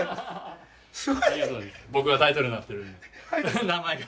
僕がタイトルになってるんで名前が。